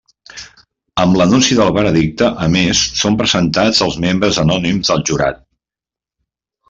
Amb l'anunci del veredicte a més són presentats els membres anònims del jurat.